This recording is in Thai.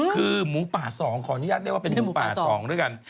คือหมูป่า๒ขออนุญาตเรียกว่าเป็นหมูป่า๒ด้วยกัน